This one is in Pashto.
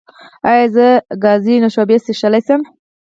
ایا زه ګازي نوشابې څښلی شم؟